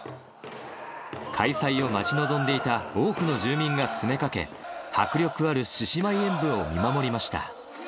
開催を待ち望んでいた多くの住民が詰めかけ、迫力ある獅子舞演舞を見守りました。